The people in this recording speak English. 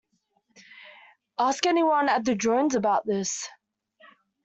Ask anyone at the Drones about this.